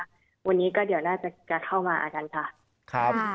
แล้ววันนี้ก็ระดับวันในครับ